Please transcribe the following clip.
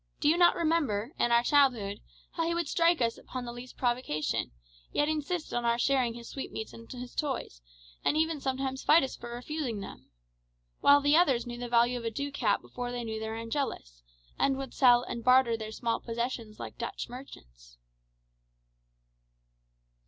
Do you not remember, in our childhood, how he would strike us upon the least provocation, yet insist on our sharing his sweetmeats and his toys, and even sometimes fight us for refusing them? While the others knew the value of a ducat before they knew their Angelus, and would sell and barter their small possessions like Dutch merchants."